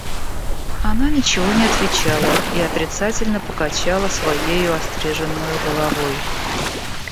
Она ничего не отвечала и отрицательно покачала своею остриженною головой.